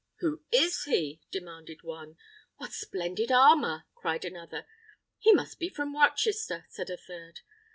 "Who is he?" demanded one. "What splendid armour!" cried another. "He must be from Rochester," said a third.